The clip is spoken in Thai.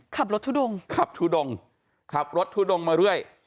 ขับรถทุดงขับทุดงขับรถทุดงมาเรื่อย